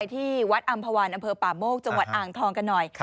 ที่วัดอำภาวันอำเภอป่าโมกจังหวัดอ่างทองกันหน่อย